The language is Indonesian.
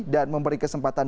dan memberi kesempatan